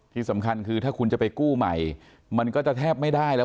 ที่สำคัญคือถ้าคุณจะไปกู้ใหม่มันก็จะแทบไม่ได้แล้ว